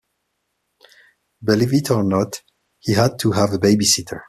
Believe it or not, he had to have a babysitter.